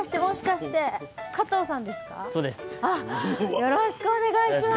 よろしくお願いします。